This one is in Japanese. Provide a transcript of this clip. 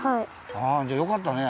あじゃあよかったね！